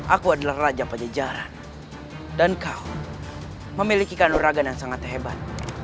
aku adalah raja pajajaran dan kau memiliki kanoragan yang sangat hebat